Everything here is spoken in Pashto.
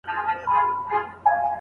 آیا سپی تر پيشو وفادار دی؟